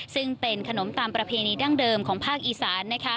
ซึ่งเป็นขนมตามประเพณีดั้งเดิมของภาคอีสาน